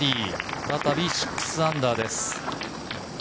再び６アンダーです。